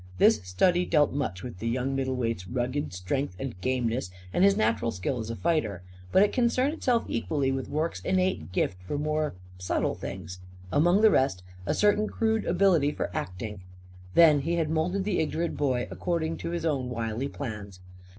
This study dealt much with the young middleweight's rugged strength and gameness and his natural skill as a fighter. But it concerned itself equally with Rorke's innate gifts for more subtle things; among the rest, a certain crude ability for acting. Then he had moulded the ignorant boy according to his own wily plans.